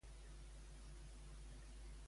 Podries activar el bucle en aquesta cançó de Lordi?